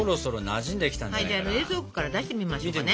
じゃあ冷蔵庫から出してみましょうかね。